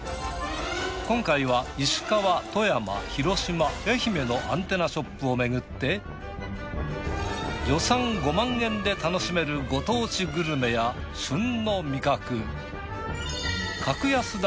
今回は石川富山広島愛媛のアンテナショップをめぐって予算５万円で楽しめるご当地グルメや旬の味覚。